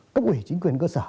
cấp ủy chính quyền cơ sở